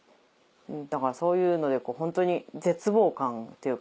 だからそういうのでホントに絶望感というか。